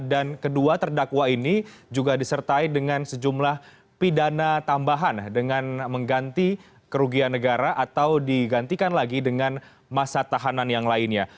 kedua terdakwa ini juga disertai dengan sejumlah pidana tambahan dengan mengganti kerugian negara atau digantikan lagi dengan masa tahanan yang lainnya